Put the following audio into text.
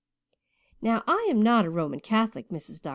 Now, I am not a Roman Catholic, Mrs. Dr.